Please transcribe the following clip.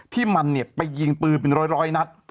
ที่มันไปยิงปืนเป็นร้อยนัด